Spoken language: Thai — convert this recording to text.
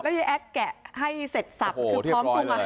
ยายแอดแกะให้เสร็จสับคือพร้อมปรุงอาหาร